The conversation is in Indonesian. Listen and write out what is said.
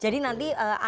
jadi nanti anda meyakinkan